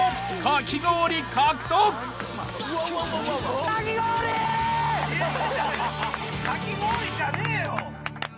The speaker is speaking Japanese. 「かき氷」じゃねえよ！